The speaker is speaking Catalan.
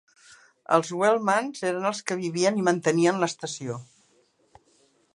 Els Wellmans eren els que vivien i mantenien l'estació.